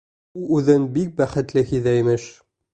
Ул үҙен бик бәхетле һиҙә, имеш.